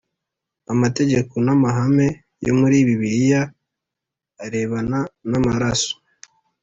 Amategeko n amahame yo muri bibiliya arebana n amaraso